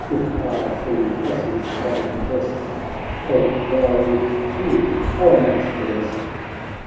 If our free passage they contest ; Cope thou with two, I'll match the rest."